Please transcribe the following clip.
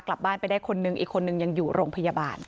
กลับบ้านไปได้คนนึงอีกคนนึงยังอยู่โรงพยาบาล